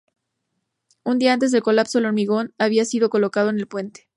Un día antes del colapso, el hormigón había sido colocado en el puente.